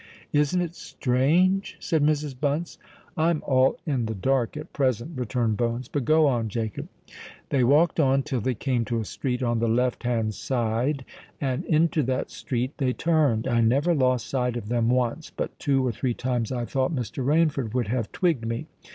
"Isn't it strange?" said Mrs. Bunce. "I'm all in the dark at present," returned Bones. "But go on, Jacob." "They walked on till they came to a street on the left hand side; and into that street they turned. I never lost sight of them once; but two or three times I thought Mr. Rainford would have twigged me.